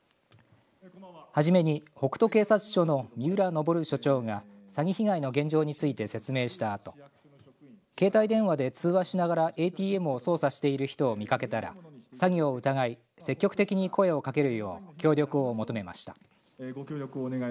はじめに北杜警察署の三浦昇署長が詐欺被害の現状について説明したあと携帯電話で通話しながらＡＴＭを操作している人を見かけたら詐欺を疑い、積極的に声をかけるよう協力を求めました。